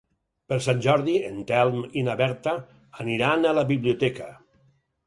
Per Sant Jordi en Telm i na Berta aniran a la biblioteca.